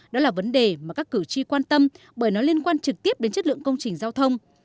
đó là vấn đề mà các cử tri quan tâm bởi nó liên quan trực tiếp đến chất lượng công trình giao thông